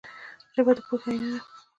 ژبه د پوهې آینه ده